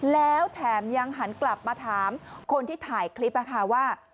แล้วแถมยังหันกลับมาถามคนที่ถ่ายคลิปว่า